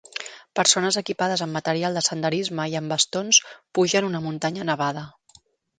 Persones equipades amb material de senderisme i amb bastons pugen una muntanya nevada.